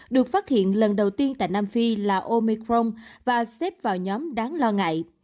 được phát hiện lần đầu tiên tại nam phi là omicron và xếp vào nhóm đáng lo ngại